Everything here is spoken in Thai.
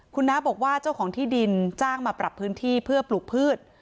คุณน้าบอกว่าเจ้าของที่ดินจ้างมาปรับพื้นที่เพื่อปลูกพืช